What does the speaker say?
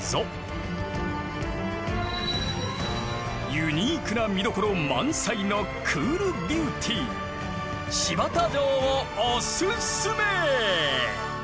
ユニークな見どころ満載のクールビューティー新発田城をおすすめ！